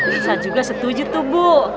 bisa juga setuju tuh bu